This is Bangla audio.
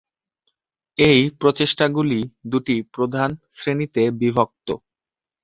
এই প্রচেষ্টাগুলি দুটি প্রধান শ্রেণীতে বিভক্ত।